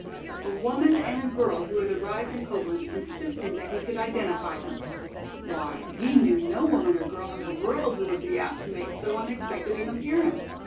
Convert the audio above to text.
A woman and a girl who had arrived in Coblenz insisting that he could identify them! Why, he knew no woman or girl in the world who would be apt to make so unexpected an appearance!